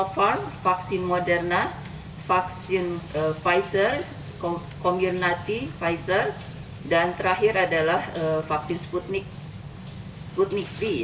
pfizer pfizer dan terakhir adalah vaksin sputnik v